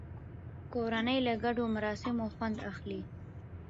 کورنۍ له ګډو مراسمو خوند اخلي